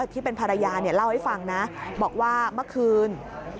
ที่เป็นภรรยาเล่าให้ฟังนะบอกว่าเมื่อคืน